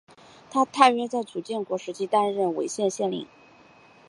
他大约在楚简王时期担任圉县县令。